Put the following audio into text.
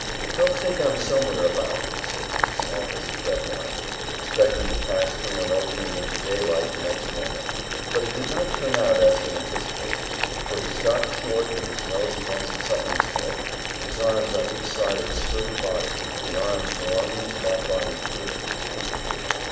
"They'll think I'm somewhere about," he said to himself, as he crept on, expecting to pass through an opening into daylight the next moment; but it did not turn out as he anticipated, for he stopped short with his nose against some one's throat, his arms on each side of a sturdy body, and the arms belonging to that body gripped him tight.